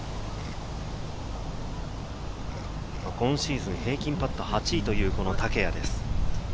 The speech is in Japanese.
今シーズン平均パット８位という竹谷です。